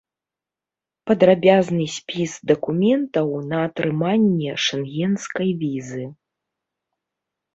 Падрабязны спіс дакументаў на атрыманне шэнгенскай візы.